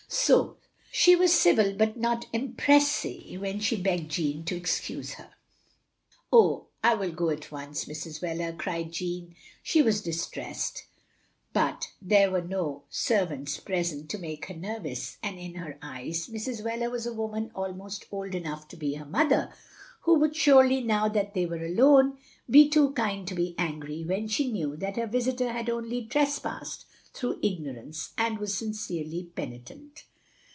So she was civil but not empressie when she begged Jeanne to excuse her. "Oh, I will go at once, Mrs. Wheler," cried Jeanne. She was distressed, but there were no servants present to make her nervous, and in her eyes Mrs. Wheler was a woman almost old enough to be her mother, who would siirely, now that they were alone, be too kind to be angry, when she knew that her visitor had only tres passed through ignorance, and was sincerely penitent.